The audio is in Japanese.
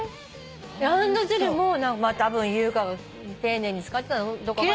ランドセルもたぶん優香が丁寧に使ってたのか。